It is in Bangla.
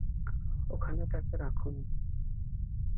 ওখানে তাকে রাখুন।